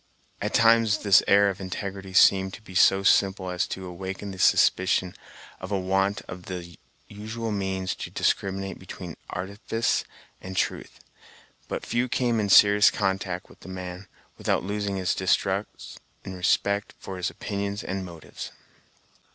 At times this air of integrity seemed to be so simple as to awaken the suspicion of a want of the usual means to discriminate between artifice and truth; but few came in serious contact with the man, without losing this distrust in respect for his opinions and motives.